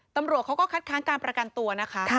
ตำรวจเขาก็คัดค้างการประกันตัวนะคะ